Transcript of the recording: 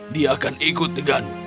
dia akan ikut denganmu